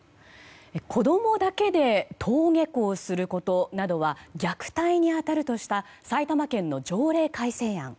子供だけで登下校することなどは虐待に当たるとした埼玉県の条例改正案。